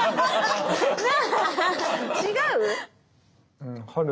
違う？